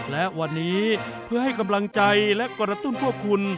และวันนี้เพื่อให้กำลังใจและกระตุ้นพวกคุณ